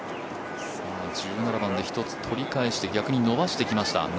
１７番で１つ取り返して逆に伸ばしてきました